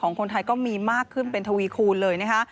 คนไทยก็มีมากขึ้นเป็นทวีคูณเลยนะคะ